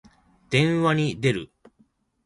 電話に出る。